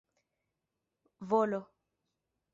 volo